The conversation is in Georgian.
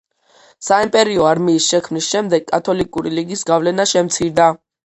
საიმპერიო არმიის შექმნის შემდეგ კათოლიკური ლიგის გავლენა შემცირდა.